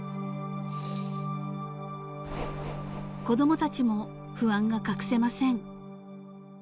［子供たちも不安が隠せません］